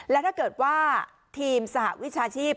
และถ้าเกิดว่าทีมสหวิชาชีพ